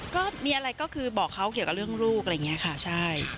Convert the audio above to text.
ก็มีอะไรก็คือบอกเขาเกี่ยวกับเรื่องลูกอะไรอย่างนี้ค่ะใช่